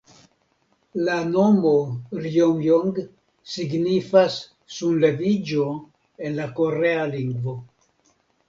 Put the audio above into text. La nomo "Rjomjong" signifas "sunleviĝo" en la Korea lingvo.